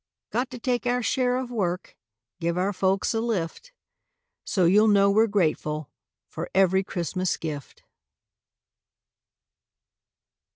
Got to take our share of work, Give our folks a lift. So you'll know we're grateful for Every Christmas gift.